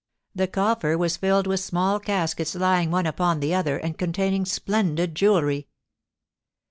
The coffer was filled with small caskets lying one upon the other, and containing splendid jewelry.